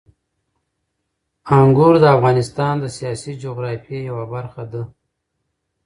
انګور د افغانستان د سیاسي جغرافیې یوه برخه ده.